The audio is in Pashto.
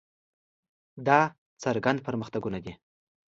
دا څرګند پرمختګونه دي.